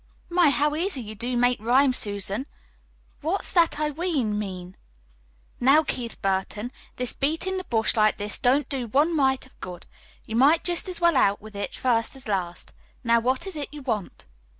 "My, how easy you do make rhymes, Susan. What's that 'I ween' mean?" "Now, Keith Burton, this beatin' the bush like this don't do one mite of good. You might jest as well out with it first as last. Now, what is it you want?"